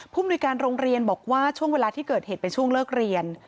มนุยการโรงเรียนบอกว่าช่วงเวลาที่เกิดเหตุเป็นช่วงเลิกเรียน